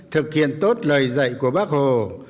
thực hiện tốt lời dạy của bác hồ